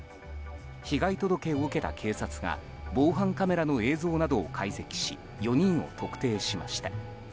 被害届を受けた警察が防犯カメラの映像などを解析し４人を特定しました。